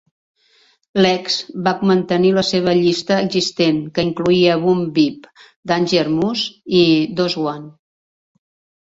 Lex va mantenir la seva llista existent que incloïa Boom Bip, Danger Mouse i Doseone.